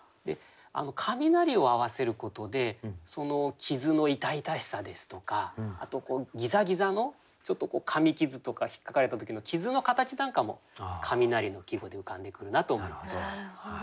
「雷」を合わせることでその傷の痛々しさですとかあとギザギザのかみ傷とかひっかかれた時の傷の形なんかも「雷」の季語で浮かんでくるなと思いました。